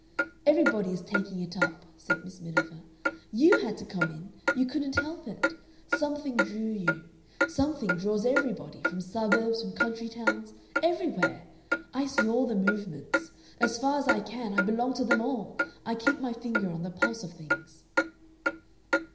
"Everybody is taking it up," said Miss Miniver. "YOU had to come in. You couldn't help it. Something drew you. Something draws everybody. From suburbs, from country towns everywhere. I see all the Movements. As far as I can, I belong to them all. I keep my finger on the pulse of things."